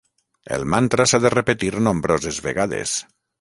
El mantra s'ha de repetir nombroses vegades.